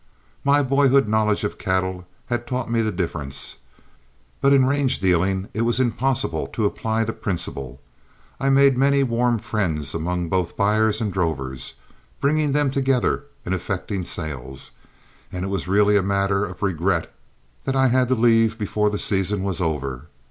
My boyhood knowledge of cattle had taught me the difference, but in range dealing it was impossible to apply the principle. I made many warm friends among both buyers and drovers, bringing them together and effecting sales, and it was really a matter of regret that I had to leave before the season was over.